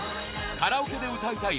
カラオケで歌いたい！